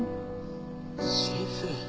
シェフ。